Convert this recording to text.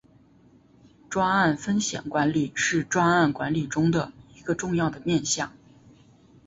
专案风险管理是专案管理中一个重要的面向。